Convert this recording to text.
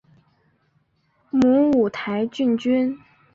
母五台郡君。